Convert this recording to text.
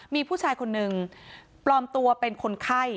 มีผู้ชายคนนึงปลอมตัวเป็นคนไข้